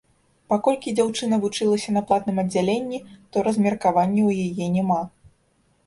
Паколькі дзяўчына вучылася на платным аддзяленні, то размеркавання ў яе няма.